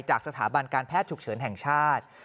สถาบันการแพทย์ฉุกเฉินแห่งชาติ